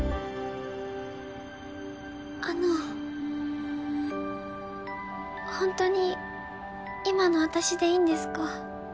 あのホントに今の私でいいんですか？